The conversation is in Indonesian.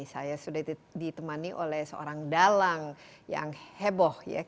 saya sudah ditemani oleh seorang dalang yang heboh